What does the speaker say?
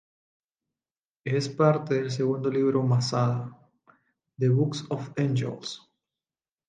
Es parte del segundo libro Masada, "The book of angels".